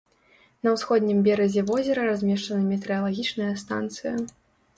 На ўсходнім беразе возера размешчана метэаралагічная станцыя.